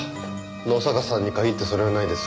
野坂さんに限ってそれはないです。